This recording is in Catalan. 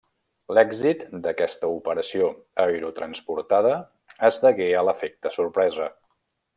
L'èxit d'aquesta operació aerotransportada es degué a l'efecte sorpresa.